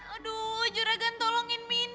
aduh juragan tolongin mini